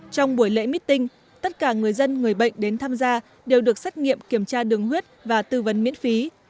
trong buổi lễ meeting tất cả người dân người bệnh đến tham gia đều được xét nghiệm kiểm tra đường huyết và tư vấn miễn phí